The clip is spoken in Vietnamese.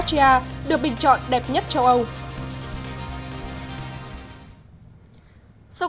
trợ giáng sinh zagreb của croatia được bình chọn đẹp nhất châu âu